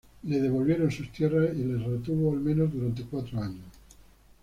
Le devolvieron sus tierras, y las retuvo al menos durante cuatro años.